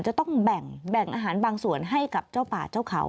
จะต้องแบ่งอาหารบางส่วนให้กับเจ้าป่าเจ้าเขา